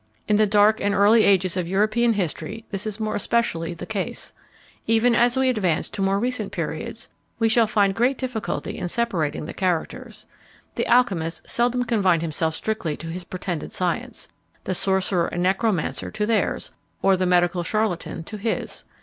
In the dark and early ages of European history this is more especially the case. Even as we advance to more recent periods, we shall find great difficulty in separating the characters. The alchymist seldom confined himself strictly to his pretended science the sorcerer and necromancer to theirs, or the medical charlatan to his.